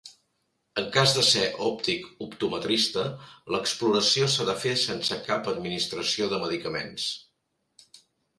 En cas de ser òptic optometrista, l'exploració s'ha de fer sense cap administració de medicaments.